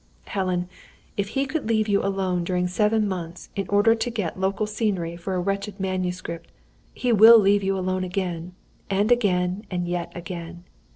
"Helen, if he could leave you alone during seven months, in order to get local scenery for a wretched manuscript, he will leave you again, and again, and yet again.